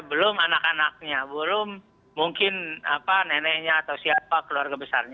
belum anak anaknya belum mungkin neneknya atau siapa keluarga besarnya